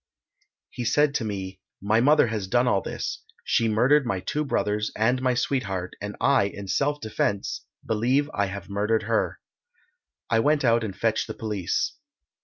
He said to me "My mother has done all this she murdered my two brothers and my sweetheart, and I, in self defence, believe I have murdered her." I went out and fetched the police.